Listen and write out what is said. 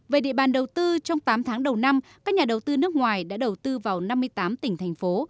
về địa bàn đầu tư trong tám tháng đầu năm các nhà đầu tư nước ngoài đã đầu tư vào năm mươi tám tỉnh thành phố